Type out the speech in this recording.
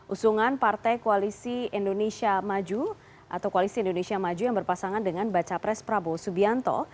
usungan partai koalisi indonesia maju atau koalisi indonesia maju yang berpasangan dengan baca pres prabowo subianto